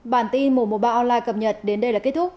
bản tin mùa mùa ba online cập nhật đến đây là kết thúc